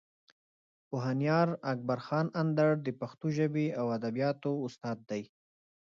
پوهنیار اکبر خان اندړ د پښتو ژبې او ادبیاتو استاد دی.